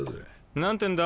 何てんだ？